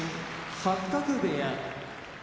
八角部屋